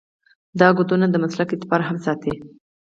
دا کودونه د مسلک اعتبار هم ساتي.